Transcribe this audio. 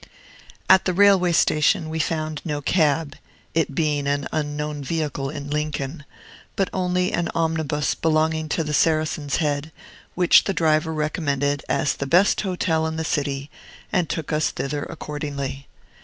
At the railway station we found no cab (it being an unknown vehicle in Lincoln), but only an omnibus belonging to the Saracen's Head, which the driver recommended as the best hotel in the city, and took us thither accordingly.